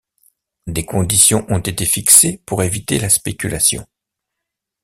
Des conditions ont été fixées pour éviter la spéculation.